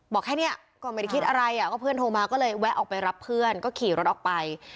แค่นี้ก็ไม่ได้คิดอะไรก็เพื่อนโทรมาก็เลยแวะออกไปรับเพื่อนก็ขี่รถออกไป